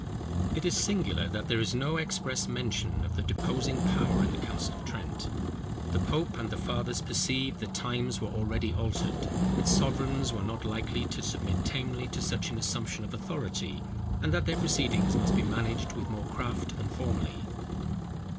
It is singular that there is no express mention of the deposing power in the council of Trent. The pope and the fathers perceived that times were already altered, that sovereigns were not likely to submit tamely to such an assumption of authority, and that their proceedings must be managed with more craft than formerly.